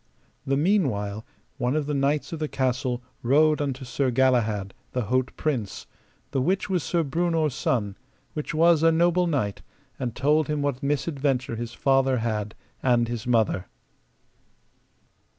The meanwhile one of the knights of the castle rode unto Sir Galahad, the haut prince, the which was Sir Breunor's son, which was a noble knight, and told him what misadventure his father had and his mother.